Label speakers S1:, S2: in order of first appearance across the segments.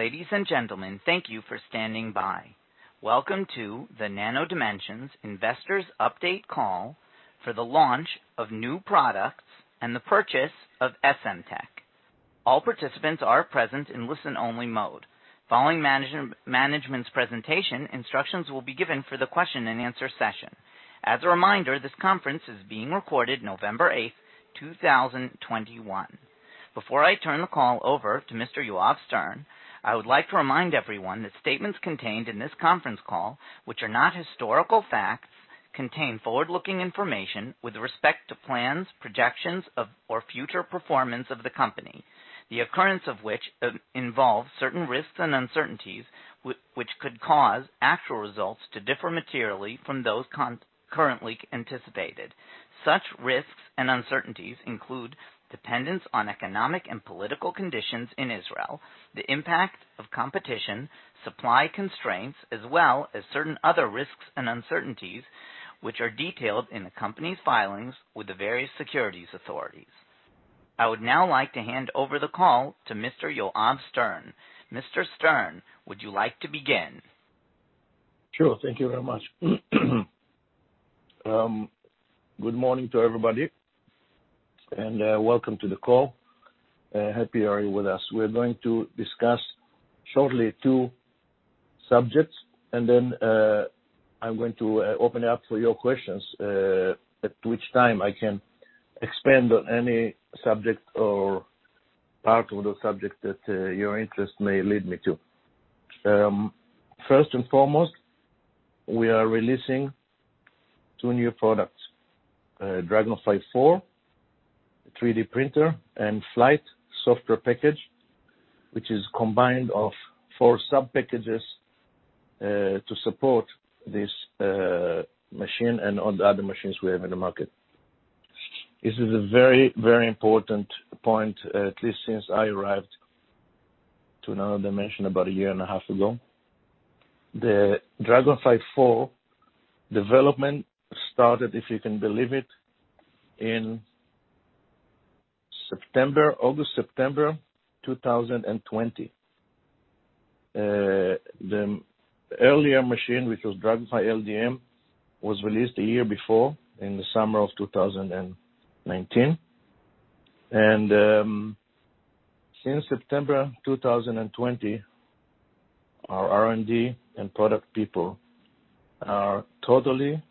S1: Ladies and gentlemen, thank you for standing by. Welcome to the Nano Dimension Investors Update Call for the launch of new products and the purchase of Essemtec. All participants are in listen-only mode. Following management's presentation, instructions will be given for the question-and-answer session. As a reminder, this conference is being recorded November 8, 2021. Before I turn the call over to Mr. Yoav Stern, I would like to remind everyone that statements contained in this conference call, which are not historical facts, contain forward-looking information with respect to plans, projections of, or future performance of the company, the occurrence of which involves certain risks and uncertainties which could cause actual results to differ materially from those currently anticipated. Such risks and uncertainties include dependence on economic and political conditions in Israel, the impact of competition, supply constraints, as well as certain other risks and uncertainties, which are detailed in the company's filings with the various securities authorities. I would now like to hand over the call to Mr. Yoav Stern. Mr. Stern, would you like to begin?
S2: Sure. Thank you very much. Good morning to everybody and welcome to the call. I hope you're with us. We're going to discuss shortly two subjects, and then I'm going to open it up for your questions, at which time I can expand on any subject or part of the subject that your interest may lead me to. First and foremost, we are releasing two new products, DragonFly IV 3D printer, and FLIGHT Software package, which is combined of four subpackages, to support this machine and all the other machines we have in the market. This is a very, very important point, at least since I arrived to Nano Dimension about a year and a half ago. The DragonFly IV development started, if you can believe it, in September 2020. The earlier machine, which was DragonFly LDM, was released a year before in the summer of 2019. Since September 2020, our R&D and product people are totally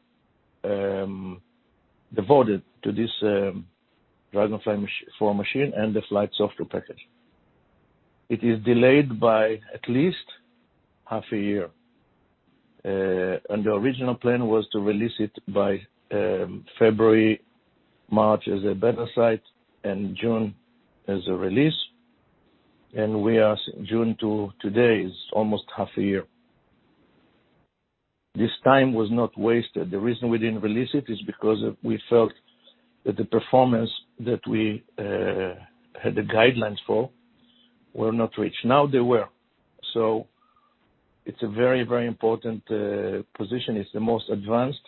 S2: devoted to this DragonFly IV machine and the FLIGHT software package. It is delayed by at least half a year. The original plan was to release it by February, March as a beta site and June as a release. From June to today is almost half a year. This time was not wasted. The reason we didn't release it is because we felt that the performance that we had the guidelines for were not reached. Now they were. It's a very, very important position. It's the most advanced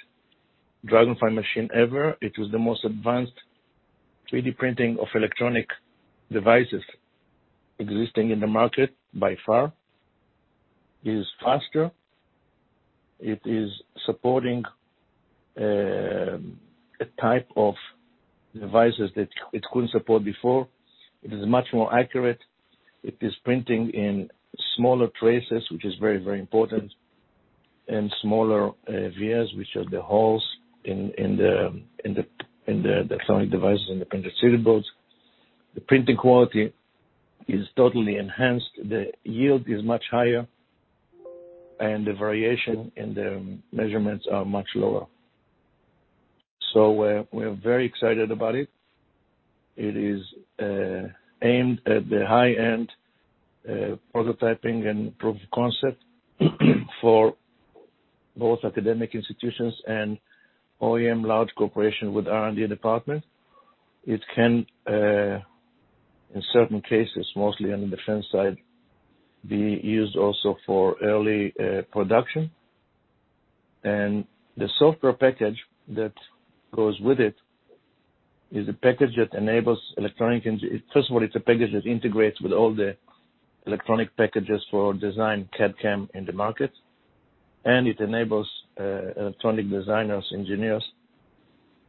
S2: DragonFly machine ever. It was the most advanced 3D printing of electronic devices existing in the market by far. It is faster. It is supporting a type of devices that it couldn't support before. It is much more accurate. It is printing in smaller traces, which is very, very important, and smaller vias, which are the holes in the electronic devices and the printed circuit boards. The printing quality is totally enhanced. The yield is much higher, and the variation in the measurements are much lower. We are very excited about it. It is aimed at the high-end prototyping and proof of concept for both academic institutions and OEM large corporations with R&D department. It can, in certain cases, mostly on the defense side, be used also for early production. The software package that goes with it is a package. First of all, it's a package that integrates with all the electronic packages for design CAD/CAM in the market, and it enables electronic designers, engineers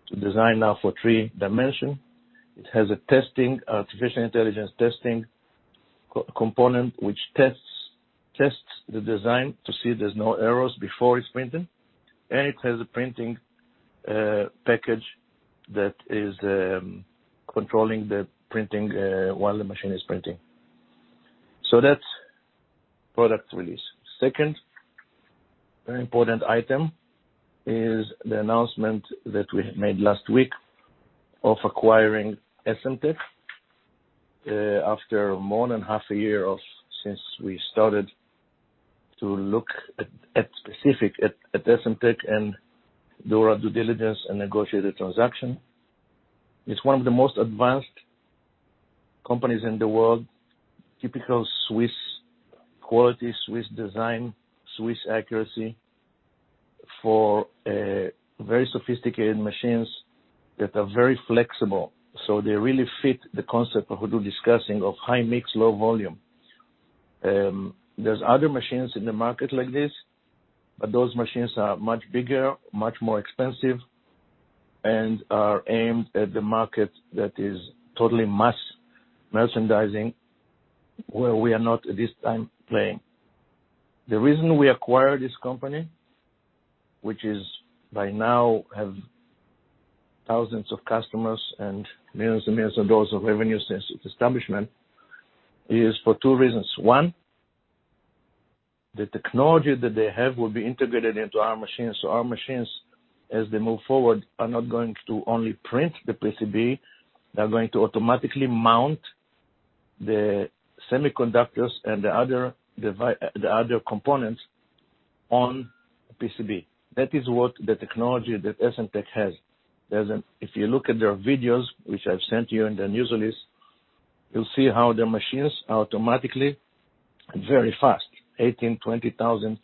S2: to design now for three dimension. It has an artificial intelligence testing component which tests the design to see there's no errors before it's printed. It has a printing package that is controlling the printing while the machine is printing. That's product release. Second very important item is the announcement that we made last week of acquiring Essemtec after more than half a year since we started to look at specific Essemtec and do our due diligence and negotiate the transaction. It's one of the most advanced companies in the world. Typical Swiss quality, Swiss design, Swiss accuracy. For very sophisticated machines that are very flexible, so they really fit the concept of Hudu discussing of high mix, low volume. There are other machines in the market like this, but those machines are much bigger, much more expensive, and are aimed at the market that is totally mass merchandising, where we are not at this time playing. The reason we acquired this company, which by now has thousands of customers and millions and millions of dollars of revenue since its establishment, is for two reasons. One, the technology that they have will be integrated into our machines. So our machines, as they move forward, are not going to only print the PCB, they're going to automatically mount the semiconductors and the other components on PCB. That is what the technology that SMT has. There's a. If you look at their videos, which I've sent you in the news list, you'll see how their machines automatically, very fast, 18,000-20,000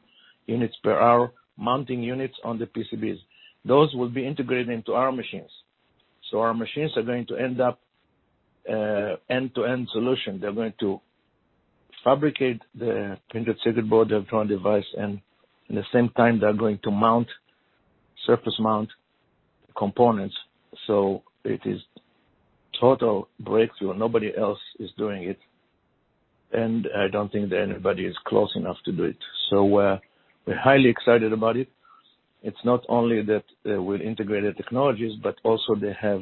S2: units per hour, mounting units on the PCBs. Those will be integrated into our machines. Our machines are going to end up end-to-end solution. They're going to fabricate the printed circuit board, the electronic device, and at the same time, they're going to mount surface mount components. It is total breakthrough. Nobody else is doing it, and I don't think that anybody is close enough to do it. We're highly excited about it. It's not only that we integrated technologies, but also they have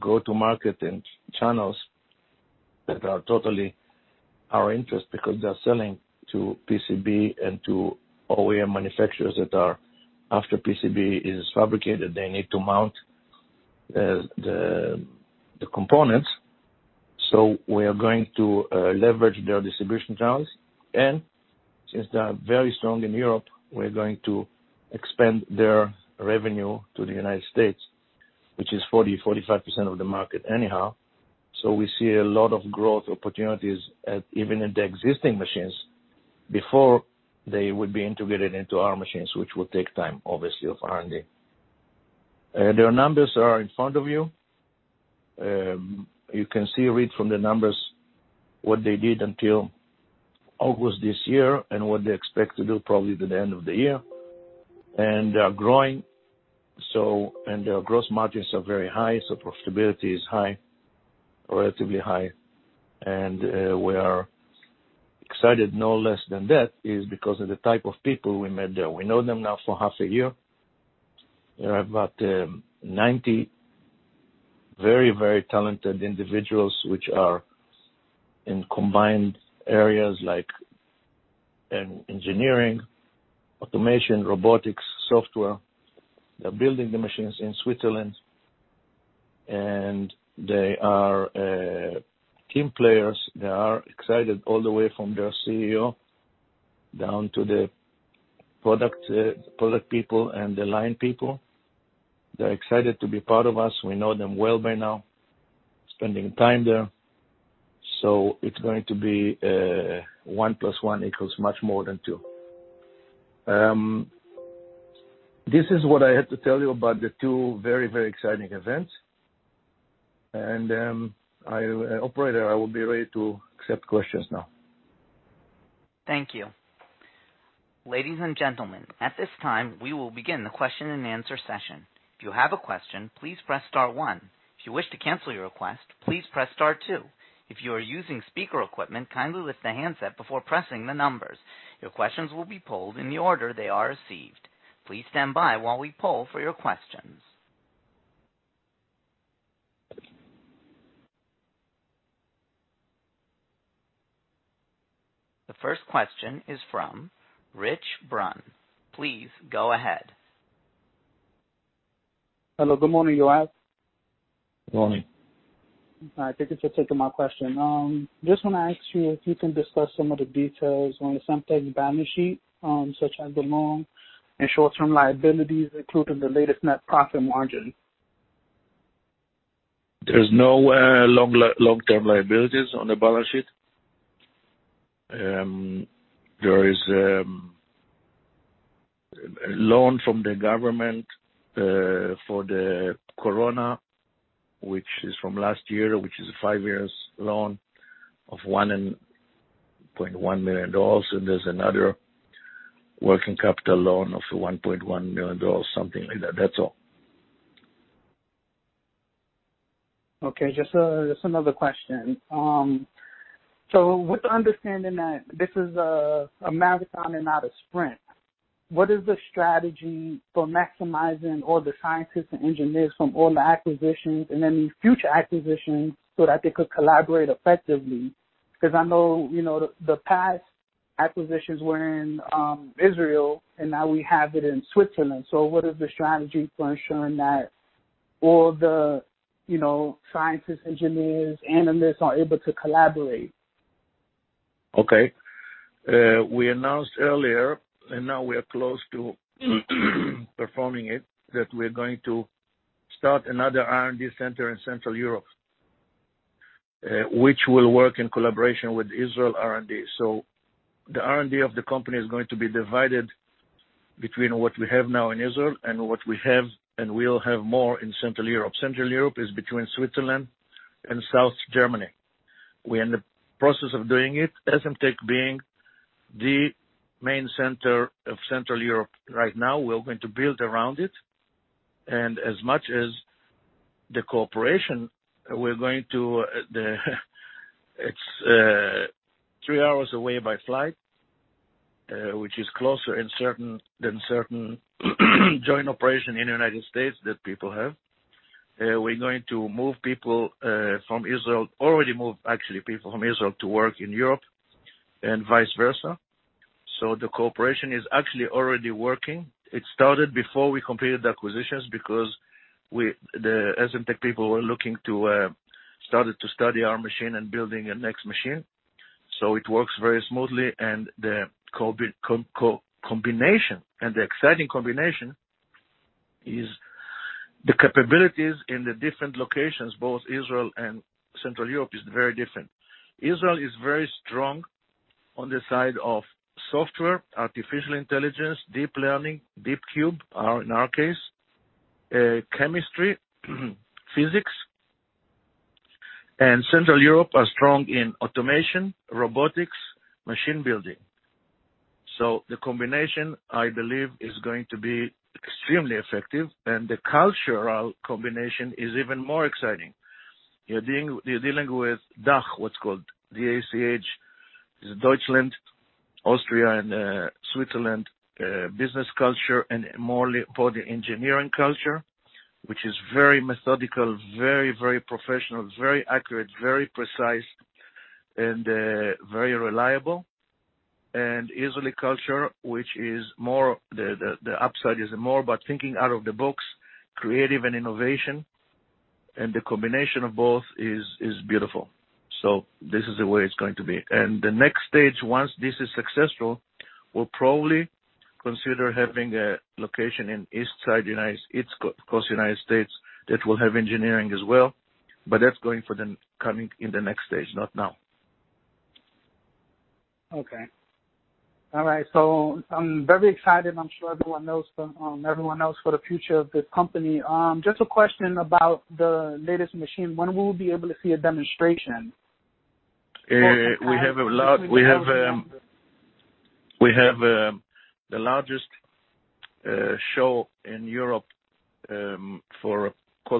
S2: go-to-market and channels that are totally our interest because they're selling to PCB and to OEM manufacturers that are, after PCB is fabricated, they need to mount the components. We are going to leverage their distribution channels. Since they are very strong in Europe, we're going to expand their revenue to the United States, which is 40%-45% of the market anyhow. We see a lot of growth opportunities even in the existing machines before they would be integrated into our machines, which will take time, obviously, of R&D. Their numbers are in front of you. You can see, read from the numbers what they did until August this year and what they expect to do probably by the end of the year. They are growing, and their gross margins are very high, so profitability is high, relatively high. We are excited no less than that is because of the type of people we met there. We know them now for half a year. There are about 90 very, very talented individuals which are in combined areas like engineering, automation, robotics, software. They're building the machines in Switzerland, and they are team players. They are excited all the way from their CEO down to the product people and the line people. They're excited to be part of us. We know them well by now, spending time there. So it's going to be 1 + 1 equals much more than two. This is what I had to tell you about the two very, very exciting events. Operator, I will be ready to accept questions now.
S1: Thank you. Ladies and gentlemen, at this time, we will begin the question-and-answer session. If you have a question, please press star one. If you wish to cancel your request, please press star two. If you are using speaker equipment, kindly lift the handset before pressing the numbers. Your questions will be polled in the order they are received. Please stand by while we poll for your questions. The first question is from Rich Brun. Please go ahead.
S3: Hello. Good morning, Yoav.
S2: Good morning.
S3: All right. Thank you for taking my question. Just wanna ask you if you can discuss some of the details on the Essemtec balance sheet, such as the long- and short-term liabilities, including the latest net profit margin?
S2: There's no long-term liabilities on the balance sheet. There is a loan from the government for the corona, which is from last year, which is a five years loan of $1.1 million. There's another working capital loan of $1.1 million, something like that. That's all.
S3: Okay, just another question. With the understanding that this is a marathon and not a sprint, what is the strategy for maximizing all the scientists and engineers from all the acquisitions and any future acquisitions so that they could collaborate effectively? Because I know, you know, the past acquisitions were in Israel, and now we have it in Switzerland. What is the strategy for ensuring that all the, you know, scientists, engineers, analysts are able to collaborate?
S2: Okay. We announced earlier, and now we are close to performing it, that we're going to start another R&D center in Central Europe, which will work in collaboration with Israel R&D. The R&D of the company is going to be divided between what we have now in Israel and what we have and will have more in Central Europe. Central Europe is between Switzerland and South Germany. We're in the process of doing it. Essemtec being the main center of Central Europe right now, we're going to build around it. As much as the cooperation, we're going to. It's three hours away by flight, which is closer in certain than certain joint operation in the United States that people have. We're going to move people from Israel. We already moved, actually, people from Israel to work in Europe and vice versa. The cooperation is actually already working. It started before we completed the acquisitions because we, the Essemtec people were looking to start to study our machine and building a next machine. It works very smoothly, and the combination, and the exciting combination is the capabilities in the different locations, both Israel and Central Europe, is very different. Israel is very strong on the side of software, artificial intelligence, deep learning, DeepCube, our, in our case, chemistry, physics. Central Europe are strong in automation, robotics, machine building. The combination, I believe, is going to be extremely effective, and the cultural combination is even more exciting. You're dealing with DACH, what's called. D-A-C-H. Is Deutschland, Austria, and Switzerland, business culture, and more for the engineering culture, which is very methodical, very professional, very accurate, very precise, and very reliable. Israeli culture, which is more the upside, is more about thinking out of the box, creative and innovation. The combination of both is beautiful. This is the way it's going to be. The next stage, once this is successful, we'll probably consider having a location in East Coast United States, that will have engineering as well, but that's coming in the next stage, not now.
S3: Okay. All right. I'm very excited, and I'm sure everyone else for the future of this company. Just a question about the latest machine. When will we be able to see a demonstration?
S2: We have a lot. We have the largest show in Europe called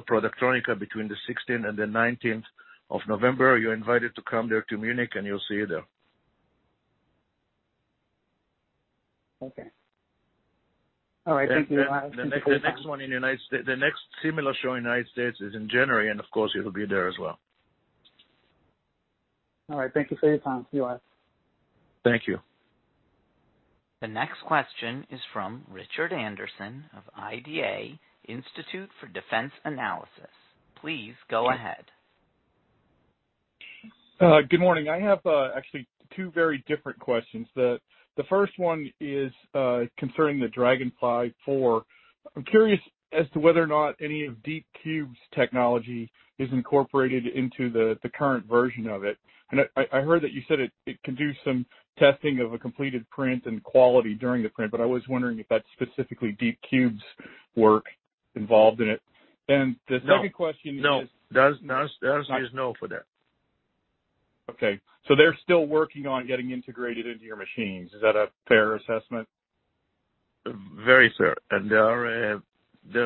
S2: Productronica between the 16th and the 19th of November. You're invited to come there to Munich, and you'll see it there.
S3: Okay. All right. Thank you.
S2: The next similar show in United States is in January, and of course, it'll be there as well.
S3: All right. Thank you for your time, Yoav.
S2: Thank you.
S1: The next question is from Richard Anderson of IDA, Institute for Defense Analyses. Please go ahead.
S4: Good morning. I have actually two very different questions. The first one is concerning the DragonFly IV. I'm curious as to whether or not any of DeepCube's technology is incorporated into the current version of it. I heard that you said it can do some testing of a completed print and quality during the print, but I was wondering if that's specifically DeepCube's work involved in it. The second question is-
S2: No. The answer is no for that.
S4: Okay. They're still working on getting integrated into your machines. Is that a fair assessment?
S2: Very fair. They are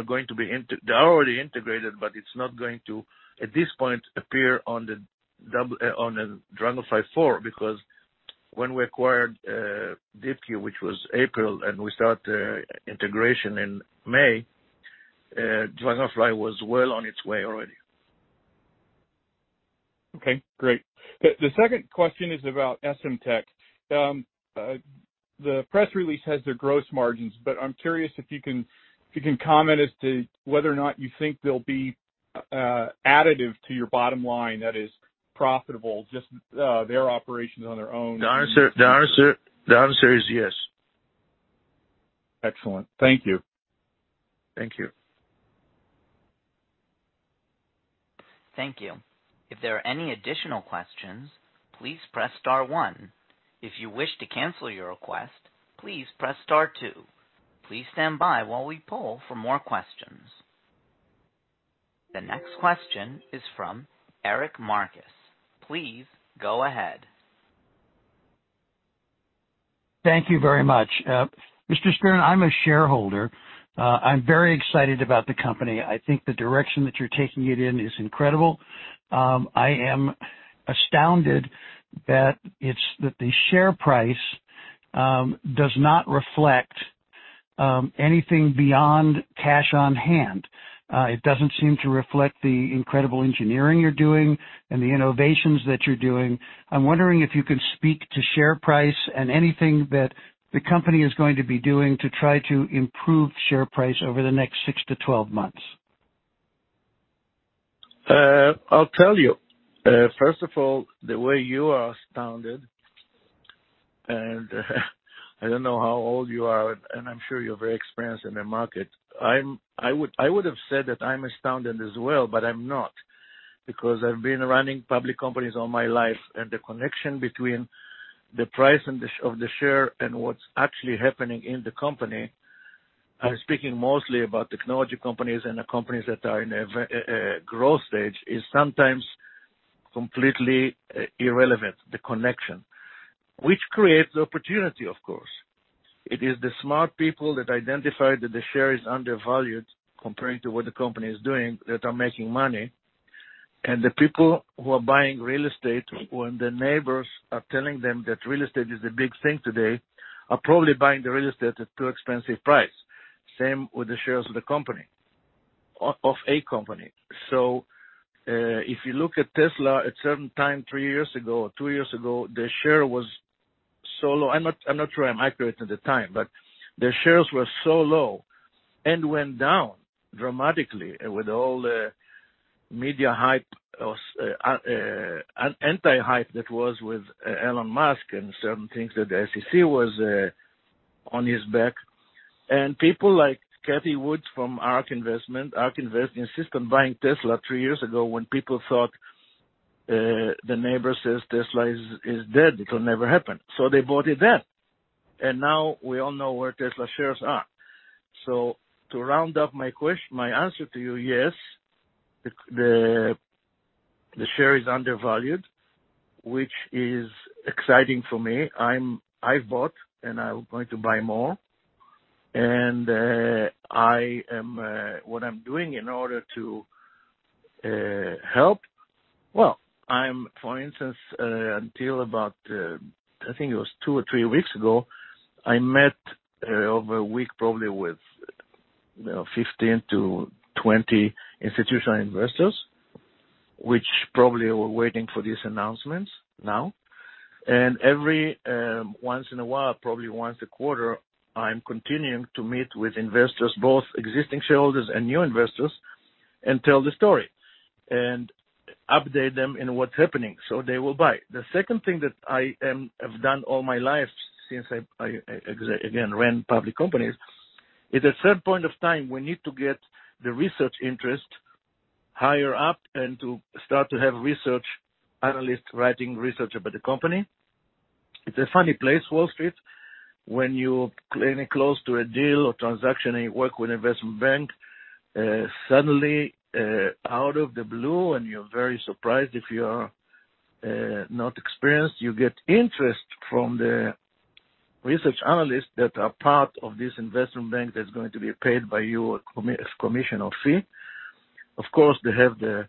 S2: already integrated, but it's not going to, at this point, appear on the DragonFly IV because when we acquired DeepCube, which was April, and we start integration in May, DragonFly was well on its way already.
S4: Okay, great. The second question is about Essemtec. The press release has their gross margins, but I'm curious if you can comment as to whether or not you think they'll be additive to your bottom line, that is, profitable, just their operations on their own?
S2: The answer is yes.
S4: Excellent. Thank you.
S2: Thank you.
S1: Thank you. If there are any additional questions, please press star one. If you wish to cancel your request, please press star two. Please stand by while we poll for more questions. The next question is from Eric Marcus. Please go ahead.
S5: Thank you very much. Mr. Stern, I'm a shareholder. I'm very excited about the company. I think the direction that you're taking it in is incredible. I am astounded that the share price does not reflect anything beyond cash on hand. It doesn't seem to reflect the incredible engineering you're doing and the innovations that you're doing. I'm wondering if you can speak to share price and anything that the company is going to be doing to try to improve share price over the next 6-12 months.
S2: I'll tell you. First of all, the way you are astounded. I don't know how old you are, and I'm sure you're very experienced in the market. I would, I would've said that I'm astounded as well, but I'm not, because I've been running public companies all my life. The connection between the price and the share and what's actually happening in the company, I'm speaking mostly about technology companies and the companies that are in a growth stage, is sometimes completely irrelevant, the connection. Which creates opportunity, of course. It is the smart people that identify that the share is undervalued compared to what the company is doing that are making money, and the people who are buying real estate when the neighbors are telling them that real estate is the big thing today, are probably buying the real estate at too expensive price. Same with the shares of the company. If you look at Tesla, at certain time three years ago or two years ago, the share was so low. I'm not sure I'm accurate at the time, but the shares were so low and went down dramatically with all the media hype or anti-hype that was with Elon Musk and certain things that the SEC was on his back. People like Cathie Wood from ARK Invest insist on buying Tesla three years ago when people thought naysayers say Tesla is dead, it'll never happen. They bought it then. Now we all know where Tesla shares are. To round up my answer to you, yes, the share is undervalued, which is exciting for me. I've bought, and I'm going to buy more. What I'm doing in order to help. For instance, until about, I think it was two or three weeks ago, I met over a week probably with 15-20 institutional investors, which probably were waiting for these announcements now. Every once in a while, probably once a quarter, I'm continuing to meet with investors, both existing shareholders and new investors, and tell the story and update them in what's happening so they will buy. The second thing that I have done all my life since I again ran public companies, is at certain point of time, we need to get the research interest higher up and to start to have research analysts writing research about the company. It's a funny place, Wall Street. When you're close to a deal or transaction and you work with investment bank, suddenly, out of the blue, and you're very surprised if you are not experienced, you get interest from the research analysts that are part of this investment bank that's going to be paid by you a commission or fee. Of course, they have the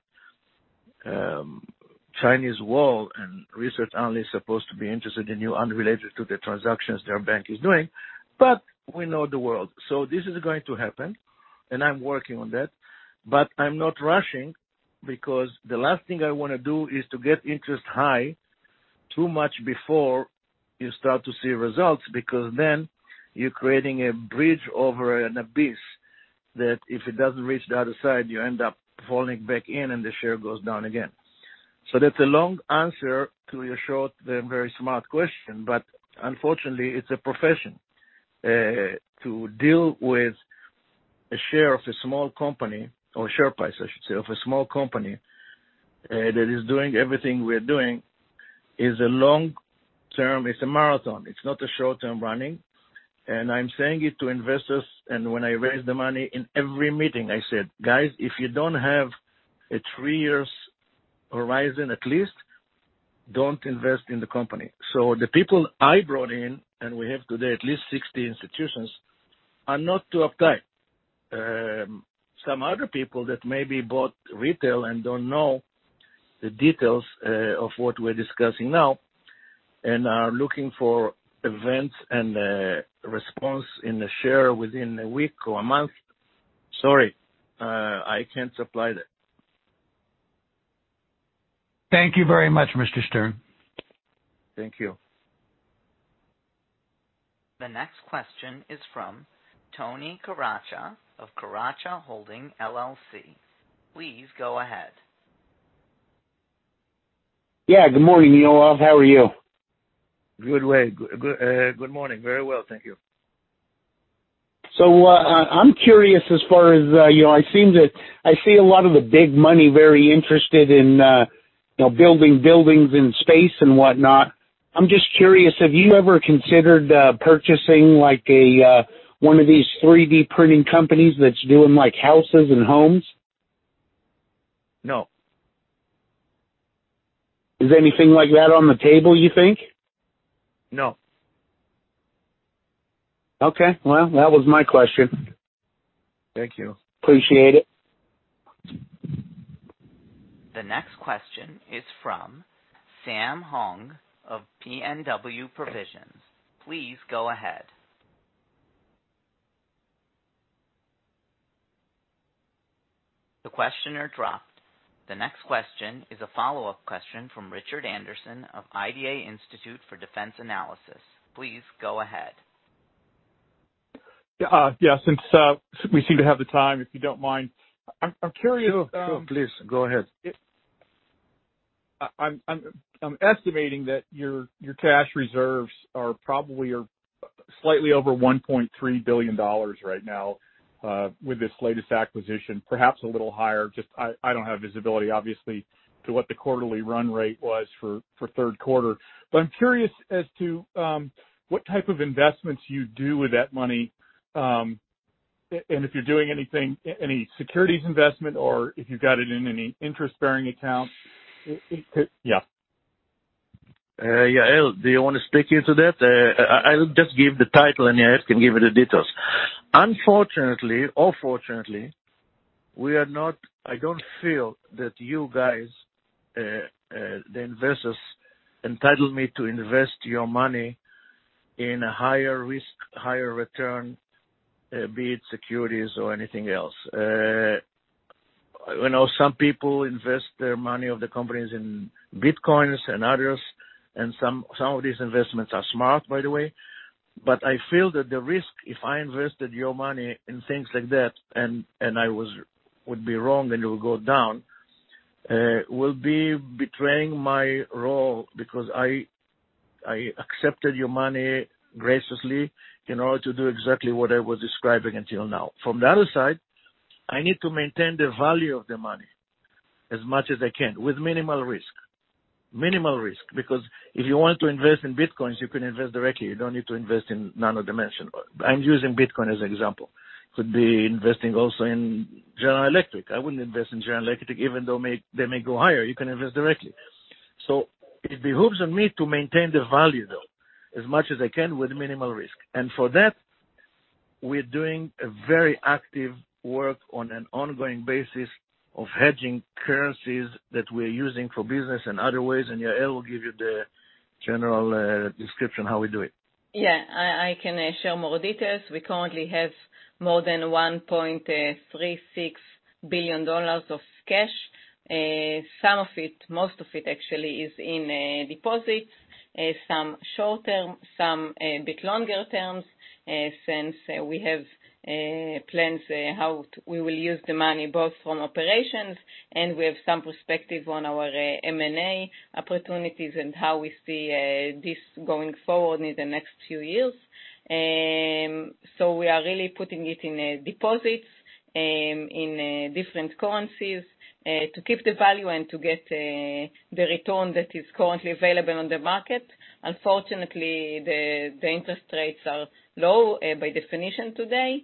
S2: Chinese wall and research analyst supposed to be interested in you unrelated to the transactions their bank is doing. We know the world, so this is going to happen, and I'm working on that. I'm not rushing because the last thing I wanna do is to get interest high too much before you start to see results, because then you're creating a bridge over an abyss that if it doesn't reach the other side, you end up falling back in and the share goes down again. That's a long answer to your short but very smart question. Unfortunately, it's a profession to deal with a share of a small company or share price, I should say, of a small company, that is doing everything we are doing is a long-term. It's a marathon. It's not a short-term running. I'm saying it to investors, and when I raise the money in every meeting, I said, "Guys, if you don't have a three years horizon at least, don't invest in the company." The people I brought in, and we have today at least 60 institutions, are not too uptight. Some other people that maybe bought retail and don't know the details of what we're discussing now and are looking for events and response in the share within a week or a month, sorry, I can't supply that.
S5: Thank you very much, Mr. Stern.
S2: Thank you.
S1: The next question is from Tony Caraccia of Caraccia Holding LLC. Please go ahead.
S6: Yeah. Good morning, Yoav. How are you?
S2: Good day. Good morning. Very well, thank you.
S6: I'm curious as far as, you know, I see a lot of the big money very interested in, you know, building buildings in space and whatnot. I'm just curious, have you ever considered purchasing like a one of these 3D printing companies that's doing like houses and homes?
S2: No.
S6: Is anything like that on the table, you think?
S2: No.
S6: Okay. Well, that was my question.
S2: Thank you.
S6: Appreciate it.
S1: The next question is from Sam Hong of PNW Provisions. Please go ahead. The questioner dropped. The next question is a follow-up question from Richard Anderson of IDA, Institute for Defense Analyses. Please go ahead.
S4: Yeah, since we seem to have the time, if you don't mind, I'm curious.
S2: Sure. Sure, please go ahead.
S4: I'm estimating that your cash reserves are probably, or slightly over $1.3 billion right now, with this latest acquisition, perhaps a little higher. Just, I don't have visibility, obviously, to what the quarterly run rate was for third quarter. I'm curious as to what type of investments you do with that money, and if you're doing anything, any securities investment or if you've got it in any interest-bearing account. Yeah.
S2: Yeah. Yael, do you wanna speak into that? I'll just give the title, and Yael can give you the details. Unfortunately or fortunately, we are not. I don't feel that you guys, the investors, entitle me to invest your money in a higher risk, higher return, be it securities or anything else. You know, some people invest their money of the companies in Bitcoins and others, and some of these investments are smart, by the way. I feel that the risk, if I invested your money in things like that, and I would be wrong and it will go down, will be betraying my role because I accepted your money graciously in order to do exactly what I was describing until now. From the other side, I need to maintain the value of the money as much as I can with minimal risk. Minimal risk. Because if you want to invest in Bitcoin, you can invest directly. You don't need to invest in Nano Dimension. I'm using Bitcoin as an example. Could be investing also in General Electric. I wouldn't invest in General Electric, even though they may go higher, you can invest directly. So it behooves on me to maintain the value, though, as much as I can with minimal risk. For that, we're doing a very active work on an ongoing basis of hedging currencies that we're using for business and other ways. Yael will give you the general description how we do it.
S7: Yeah. I can share more details. We currently have more than $1.36 billion of cash. Some of it, most of it actually is in deposits, some short-term, some a bit longer terms, since we have plans how we will use the money both from operations, and we have some perspective on our M&A opportunities and how we see this going forward in the next few years. We are really putting it in deposits, in different currencies, to keep the value and to get the return that is currently available on the market. Unfortunately, the interest rates are low by definition today,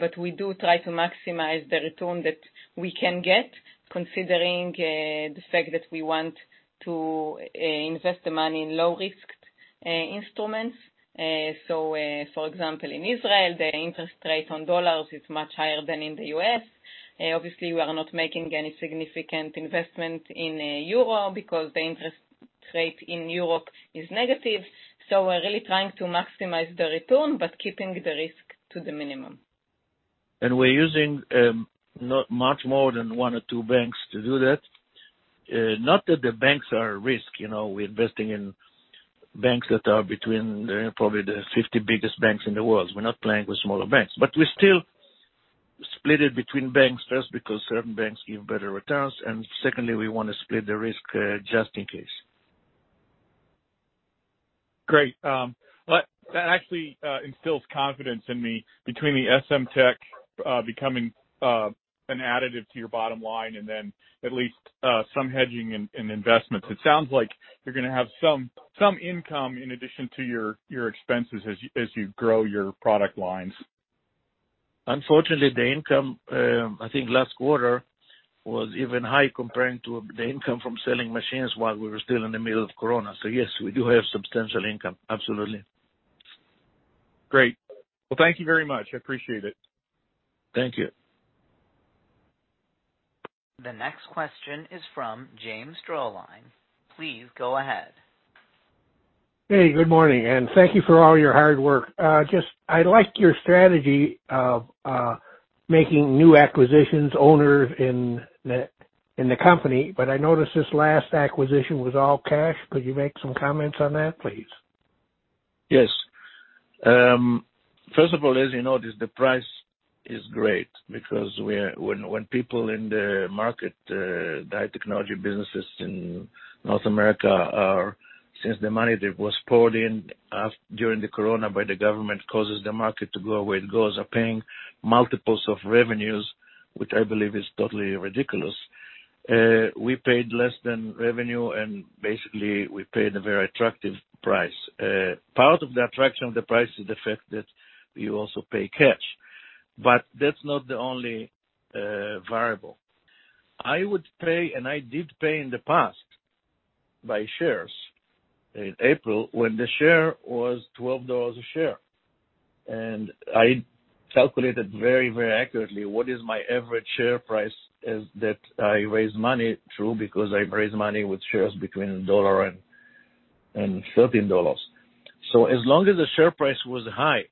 S7: but we do try to maximize the return that we can get, considering the fact that we want to invest the money in low-risked instruments. For example, in Israel, the interest rate on dollars is much higher than in the U.S. Obviously, we are not making any significant investment in euro because the interest rate in Europe is negative. We're really trying to maximize the return, but keeping the risk to the minimum.
S2: We're using not much more than one or two banks to do that. Not that the banks are a risk, you know. We're investing in banks that are between the, probably the 50 biggest banks in the world. We're not playing with smaller banks. We still split it between banks, first, because certain banks give better returns, and secondly, we wanna split the risk, just in case.
S4: Great. That actually instills confidence in me between the SM-Tech becoming an additive to your bottom line and then at least some hedging in investments. It sounds like you're gonna have some income in addition to your expenses as you grow your product lines.
S2: Unfortunately, the income, I think last quarter was even high comparing to the income from selling machines while we were still in the middle of Corona. Yes, we do have substantial income, absolutely.
S4: Great. Well, thank you very much. I appreciate it.
S2: Thank you.
S1: The next question is from James Droline. Please go ahead.
S8: Hey, good morning, and thank you for all your hard work. Just, I like your strategy of making new acquisition's owners in the company. I noticed this last acquisition was all cash. Could you make some comments on that, please?
S2: Yes. First of all, as you know, the price is great because when people in the market, the high technology businesses in North America are paying multiples of revenues, which I believe is totally ridiculous, since the money that was poured in during the Corona by the government causes the market to go where it goes. We paid less than revenue, and basically, we paid a very attractive price. Part of the attraction of the price is the fact that you also pay cash, but that's not the only variable. I would pay, and I did pay in the past by shares in April when the share was $12 a share. I calculated very, very accurately what is my average share price as that I raised money through, because I raised money with shares between $1 and $13. As long as the share price was high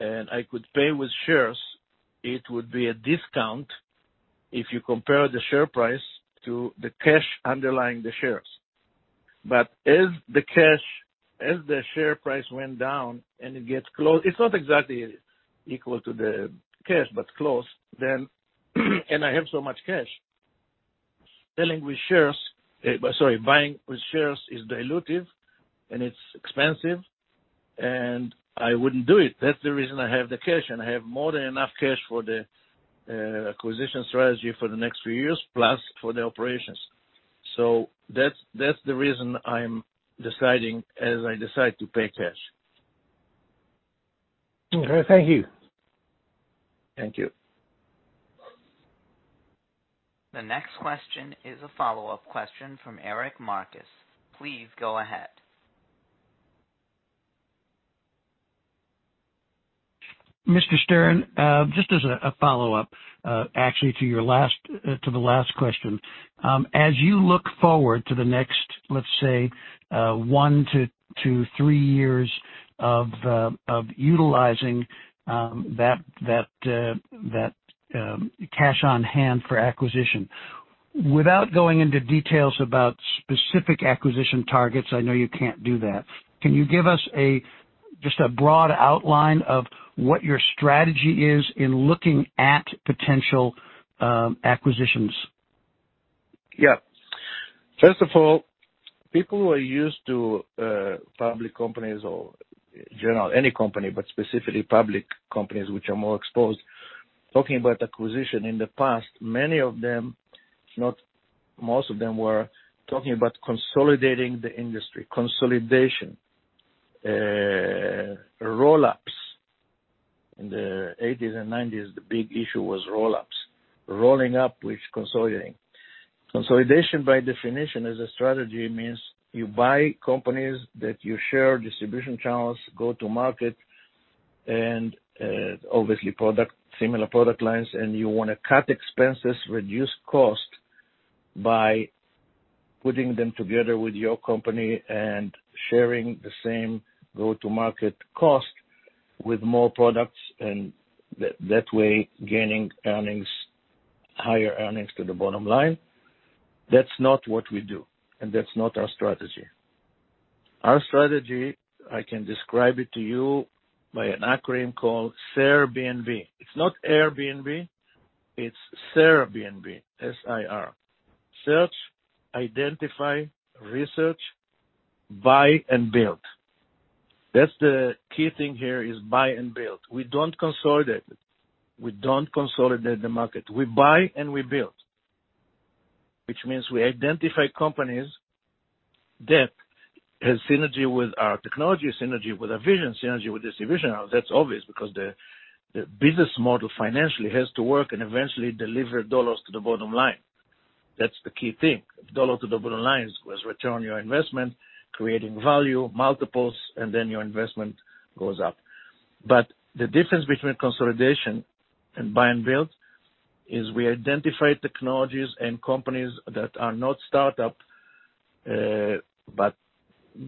S2: and I could pay with shares, it would be a discount if you compare the share price to the cash underlying the shares. As the share price went down and it gets close, it's not exactly equal to the cash, but close then. I have so much cash. Selling with shares, buying with shares is dilutive, and it's expensive, and I wouldn't do it. That's the reason I have the cash, and I have more than enough cash for the acquisition strategy for the next few years, plus for the operations. That's the reason I'm deciding to pay cash.
S8: Okay. Thank you.
S2: Thank you.
S1: The next question is a follow-up question from Eric Marcus. Please go ahead.
S5: Mr. Stern, just as a follow-up, actually to your last question. As you look forward to the next, let's say, 1-3 years of utilizing that cash on hand for acquisition. Without going into details about specific acquisition targets, I know you can't do that, can you give us just a broad outline of what your strategy is in looking at potential acquisitions?
S2: Yeah. First of all, people who are used to public companies or general, any company, but specifically public companies which are more exposed, talking about acquisition in the past, many of them, if not most of them, were talking about consolidating the industry. Consolidation. Roll-ups. In the 1980s and 1990s, the big issue was roll-ups. Rolling up, which is consolidating. Consolidation by definition as a strategy means you buy companies that share distribution channels, go-to-market, and obviously products, similar product lines, and you wanna cut expenses, reduce costs by putting them together with your company and sharing the same go-to-market costs with more products, and that way gaining higher earnings to the bottom line. That's not what we do, and that's not our strategy. Our strategy, I can describe it to you by an acronym called SIRB&B. It's not Airbnb, it's SIRB&B, S-I-R. Search, identify, research, buy, and build. That's the key thing here is buy and build. We don't consolidate the market. We buy and we build, which means we identify companies that has synergy with our technology, synergy with our vision, synergy with distribution. Now, that's obvious because the business model financially has to work and eventually deliver dollars to the bottom line. That's the key thing. Dollars to the bottom line was return on your investment, creating value, multiples, and then your investment goes up. The difference between consolidation and buy and build is we identify technologies and companies that are not start-up, but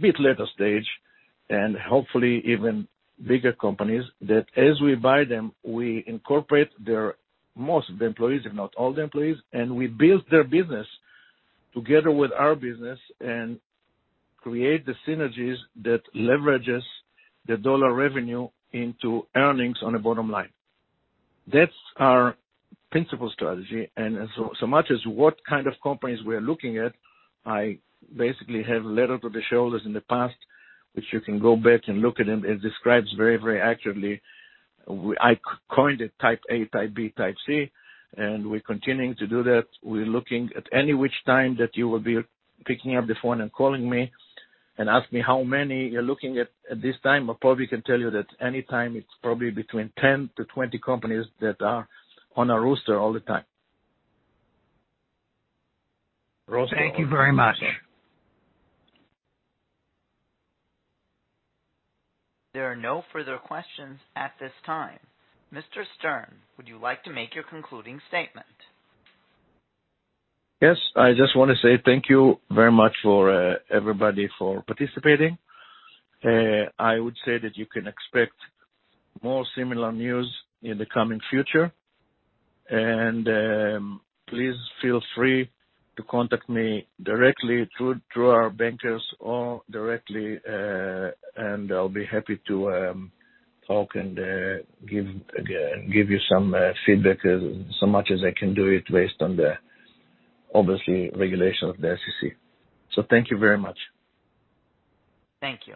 S2: bit later stage, and hopefully even bigger companies that as we buy them, we incorporate their most of the employees, if not all the employees, and we build their business together with our business and create the synergies that leverages the dollar revenue into earnings on a bottom line. That's our principal strategy. So much as what kind of companies we are looking at, I basically have letter to the shareholders in the past, which you can go back and look at them. It describes very, very accurately. I coined it type A, type B, type C, and we're continuing to do that. We're looking at any which time that you will be picking up the phone and calling me and ask me how many you're looking at at this time. I probably can tell you that anytime it's probably between 10-20 companies that are on our roster all the time.
S5: Thank you very much.
S1: There are no further questions at this time. Mr. Stern, would you like to make your concluding statement?
S2: Yes. I just wanna say thank you very much for everybody for participating. I would say that you can expect more similar news in the coming future. Please feel free to contact me directly through our bankers or directly, and I'll be happy to talk and give you some feedback so much as I can do it based on the obviously regulation of the SEC. Thank you very much.
S1: Thank you.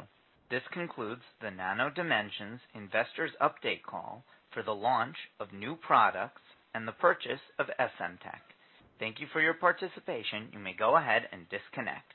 S1: This concludes the Nano Dimension investors update call for the launch of new products and the purchase of Essemtec. Thank you for your participation. You may go ahead and disconnect.